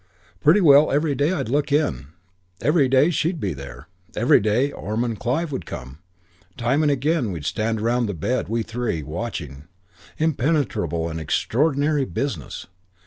Pretty well every day I'd look in. Every day she'd be there. Every day Ormond Clive would come. Time and again we'd stand around the bed, we three, watching. Impenetrable and extraordinary business!